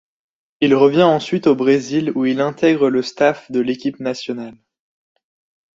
Il revient ensuite au Brésil où il intégre le staff de l'équipe nationale.